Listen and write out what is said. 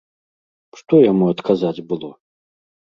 Што яму адказаць было?